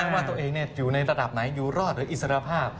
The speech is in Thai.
ว่าตัวเองอยู่ในระดับไหนอยู่รอดหรืออิสรภาพ